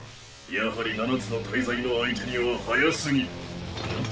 やはり七つの大罪の相手には早すぎん？